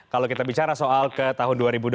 kalau kita bicara soal ke tahun dua ribu dua puluh